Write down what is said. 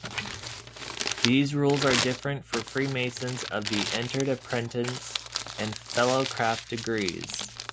These rules are different for Freemasons of the Entered Apprentice and Fellowcraft Degrees.